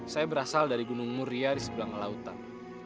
saya berasal dari gunung muria di seberang lautan